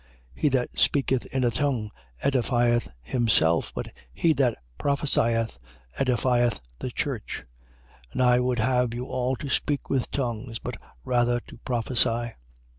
14:4. He that speaketh in a tongue edifieth himself: but he that prophesieth, edifieth the church. 14:5. And I would have you all to speak with tongues, but rather to prophesy.